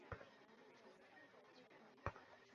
টাকার জন্য তুমি যা ইচ্ছা করবে, বাবা?